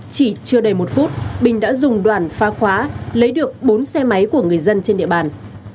chỉ chưa đầy một phút bình đã dùng đoàn phá khóa lấy được bốn xe máy của người dân trên địa bàn